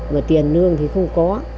và tiền nương thì không có